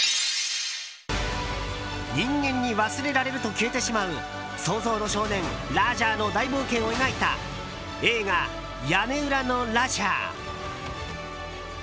人間に忘れられると消えてしまう想像の少年ラジャーの大冒険を描いた映画「屋根裏のラジャー」。